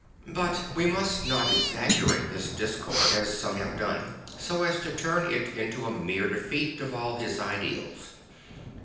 But we must not exaggerate this discord, as some have done, so as to turn it into a mere defeat of all his ideals.